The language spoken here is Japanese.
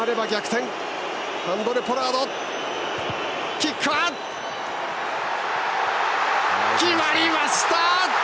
キックは決まりました！